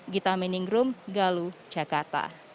gita meningrum galuh jakarta